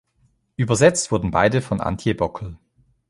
Übersetzt wurden beide von Antje Bockel.